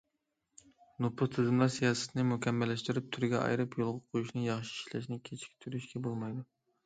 نوپۇس تىزىملاش سىياسىتىنى مۇكەممەللەشتۈرۈپ، تۈرگە ئايرىپ يولغا قويۇشنى ياخشى ئىشلەشنى كېچىكتۈرۈشكە بولمايدۇ.